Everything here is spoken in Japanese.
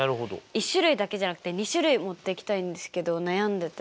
１種類だけじゃなくて２種類持っていきたいんですけど悩んでて。